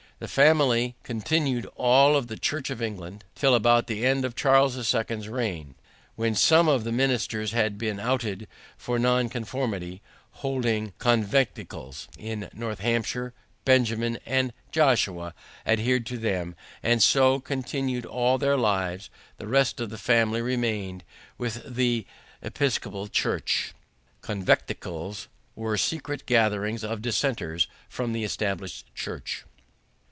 The family continued all of the Church of England till about the end of Charles the Second's reign, when some of the ministers that had been outed for non conformity, holding conventicles in Northamptonshire, Benjamin and Josiah adhered to them, and so continued all their lives: the rest of the family remained with the Episcopal Church. Secret gatherings of dissenters from the established Church.